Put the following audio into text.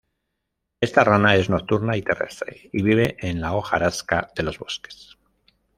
Esta rana es nocturna y terrestre y vive en la hojarasca de los bosques.